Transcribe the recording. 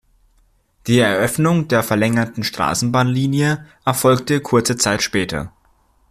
Die Eröffnung der verlängerten Straßenbahnlinie erfolgte kurze Zeit später.